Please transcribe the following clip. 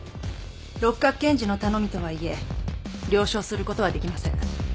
六角検事の頼みとはいえ了承することはできません。